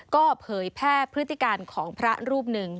ก็เผยแพร่พฤติการของพระรูปหนึ่ง